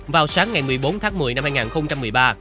vào sáng ngày một mươi bốn tháng một mươi năm hai nghìn một mươi ba